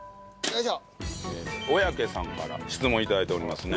小宅さんから質問頂いておりますね。